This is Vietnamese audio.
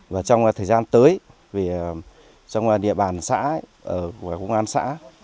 và trong thời gian tới trong địa bàn xã của công an xã